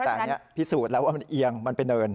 แต่อันนี้พิสูจน์แล้วว่ามันเอียงมันเป็นเนิน